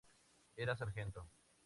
Era sargento.